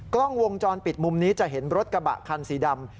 กล้องวงจรปิดมุมนี้จะเห็นรถกระบะคันสีดำ